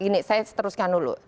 gini saya teruskan dulu